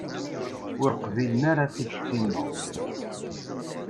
Ur qbilen ara tikti-nneɣ.